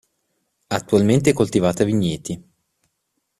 Attualmente è coltivata a vigneti.